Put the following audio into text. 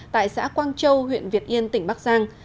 tại xã quang châu huyện việt yên tỉnh bắc giang